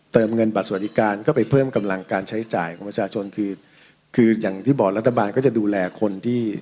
เงินบัตรสวัสดิการก็ไปเพิ่มกำลังการใช้จ่ายของประชาชนคือคืออย่างที่บอกรัฐบาลก็จะดูแลคนที่